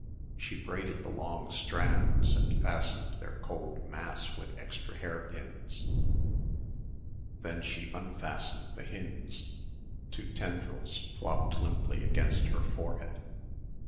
She braided the long strands and fastened their cold mass with extra hairpins. Then she unfastened the Hinde's two tendrils flopped limply against her forehead.